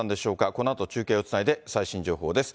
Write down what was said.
このあと中継をつないで最新情報です。